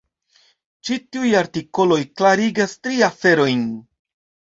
Ĉi tiuj artikoloj klarigas tri aferojn.